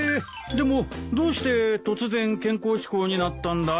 でもどうして突然健康志向になったんだい？